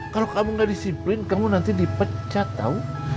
kalau kamu nggak disiplin kamu nanti dipecat tau